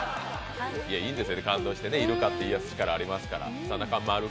いいんですよね、感動して、イルカって癒やす力がありますから。